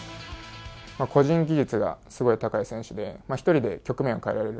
個人技術がすごい高い選手で、１人で局面を変えられる。